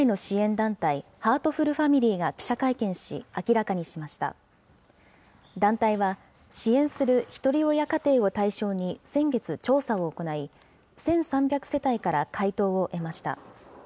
団体は支援するひとり親家庭を対象に先月、調査を行い、１３００世帯から回答を得ました。